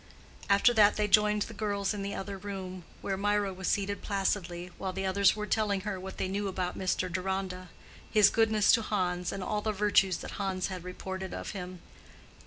After that they joined the girls in the other room, where Mirah was seated placidly, while the others were telling her what they knew about Mr. Deronda—his goodness to Hans, and all the virtues that Hans had reported of him.